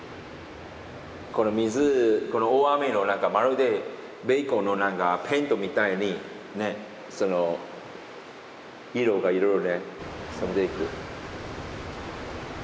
この水この大雨の中まるでベーコンのなんかペイントみたいに色がいろいろねくすんでいく。